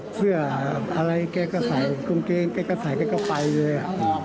เสื้ออะไรแกก็ใส่กางเกงแกก็ใส่แกก็ไปเลย